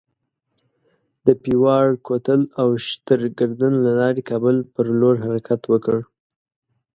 د پیواړ کوتل او شترګردن له لارې کابل پر لور حرکت وکړ.